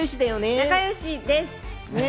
仲よしです。